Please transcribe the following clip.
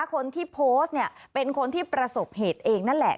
คนที่โพสต์เนี่ยเป็นคนที่ประสบเหตุเองนั่นแหละ